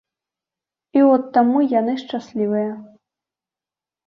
І от таму яны шчаслівыя.